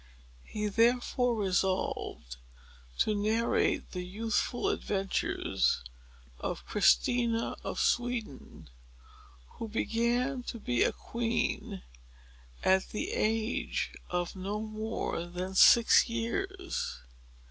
He therefore resolved to narrate the youthful adventures of Christina of Sweden, who began to be a Queen at the age of no more than six years.